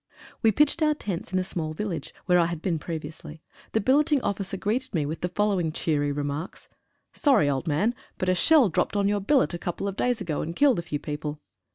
We pitched our tents at a small village, where I had been previously. The billeting officer greeted me with the following cheery remarks :—" Sorry old man, but a shell dropped on your billet a couple of days ago, and killed a few people."